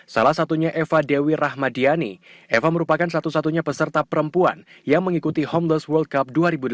salah satunya eva dewi rahmadiani eva merupakan satu satunya peserta perempuan yang mengikuti homeless world cup dua ribu delapan belas